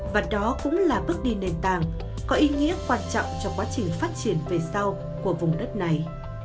và đó cũng là bước đi nền tảng có ý nghĩa quan trọng cho quá trình phát triển về sau của vùng đất này